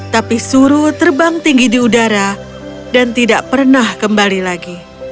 tapi suruh terbang tinggi di udara dan tidak pernah kembali lagi